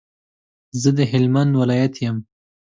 زه د هلمند ولایت یم.